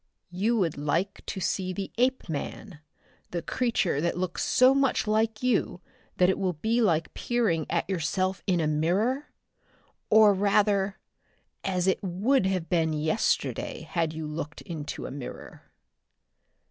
"You would like to see the Apeman? the creature that looks so much like you that it will be like peering at yourself in the mirror? Or, rather, as it would have been yesterday had you looked into a mirror?"